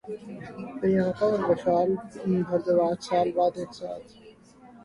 پریانکا اور وشال بھردواج سال بعد ایک ساتھ